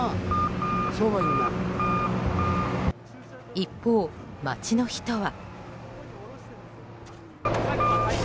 一方、街の人は。